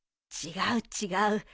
違う違う。